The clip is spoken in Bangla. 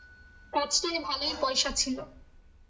কাজটায় ভালোই পয়সা ছিল।